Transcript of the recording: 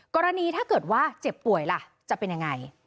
ถ้าเกิดว่าเจ็บป่วยล่ะจะเป็นยังไง